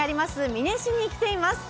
美祢市に来ています。